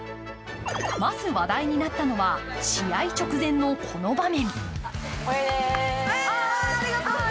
まず話題になったのは試合直前のこの場面。